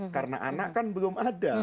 karena anak kan belum ada